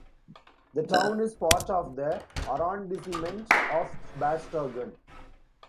The town is part of the Arrondissement of Bastogne.